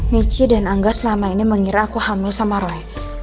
michi dan angga selama ini mengira aku hamil sama roy